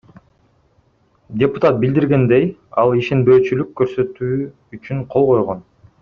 Депутат билдиргендей, ал ишенбөөчүлүк көрсөтүү үчүн кол койгон.